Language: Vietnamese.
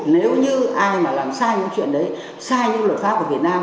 nếu như ai mà làm sai những chuyện đấy sai những luật pháp của việt nam